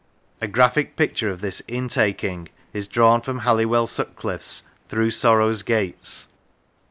A graphic picture of this " intaking " is drawn in Halliwell Sutcliffe's " Through Sorrow's Gates."